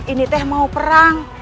ini teh mau perang